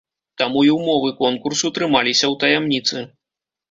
Таму і ўмовы конкурсу трымаліся ў таямніцы.